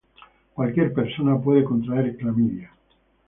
Cualquier persona puede contraer clamidia.